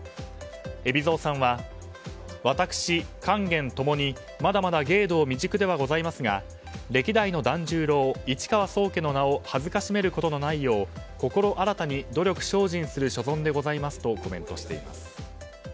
海老蔵さんは私、勸玄共にまだまだ芸道未熟ではございますが歴代の團十郎、市川宗家の名を辱めることのないよう心新たに努力精進する所存でございますとコメントしています。